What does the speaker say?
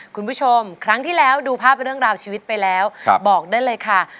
คุณผู้ชมครั้งที่แล้วดูภาพเรื่องราวชีวิตไปแล้วบอกได้เลยค่ะ